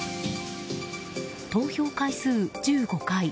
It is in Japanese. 投票回数１５回。